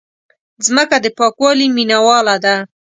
مځکه د پاکوالي مینواله ده.